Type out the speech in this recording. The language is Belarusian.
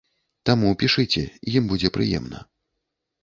Таму пішыце, ім будзе прыемна.